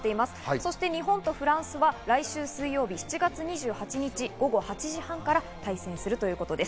そして日本とフランスは来週水曜日、７月２８日午後８時半から対戦します。